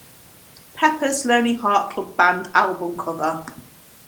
Pepper's Lonely Hearts Club Band album cover.